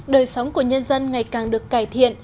đời sống của nhân dân ngày càng được cải thiện